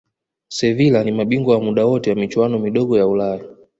sevila ni mabingwa wa muda wote wa michuano midogo ya ulaya